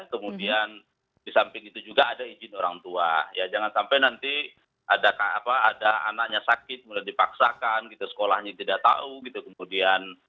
kemudian di samping itu juga ada izin orang tua ya jangan sampai nanti ada anaknya sakit mulai dipaksakan gitu sekolahnya tidak tahu gitu kemudian